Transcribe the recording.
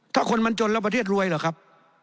ถ้าคนมันจนแล้วประเทศรวยเหรอครับ